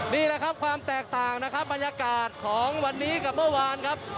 นี่แหละครับความแตกต่างนะครับบรรยากาศของวันนี้กับเมื่อวานครับ